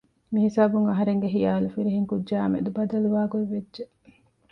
މިހިސާބުން އަހަރެންގެ ޚިޔާލު ފިރިހެންކުއްޖާއާ މެދު ބަދަލުވާ ގޮތްވެއްޖެ